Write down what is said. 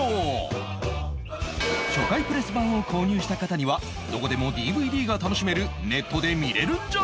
初回プレス盤を購入した方にはどこでも ＤＶＤ が楽しめるネットで見れるんじゃ！！